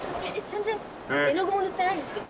全然絵の具も塗ってないんですけど。